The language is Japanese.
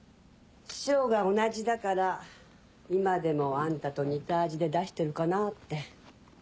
師匠が同じだから今でもあんたと似た味で出してるかなって。